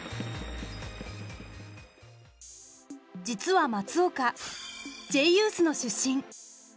実は松岡Ｊユースの出身。